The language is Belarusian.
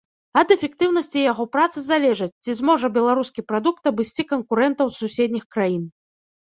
Ад эфектыўнасці яго працы залежыць, ці зможа беларускі прадукт абысці канкурэнтаў з суседніх краін.